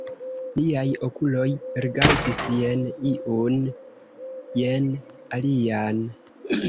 Liaj okuloj rigardis jen iun, jen alian.